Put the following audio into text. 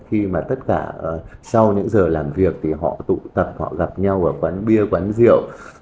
khi mà tất cả sau những giờ làm việc thì họ tụ tập họ gặp nhau ở quán bia quán rượu